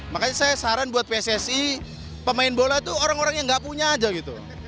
makanya saya saran buat pssi pemain bola itu orang orang yang gak punya aja gitu